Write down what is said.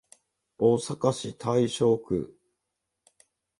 大阪市大正区